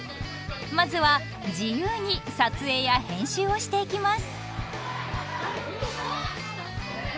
まずは自由に撮影や編集をしていきます。